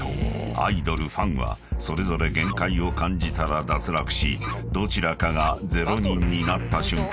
［アイドルファンはそれぞれ限界を感じたら脱落しどちらかが０人になった瞬間ライブは終了する］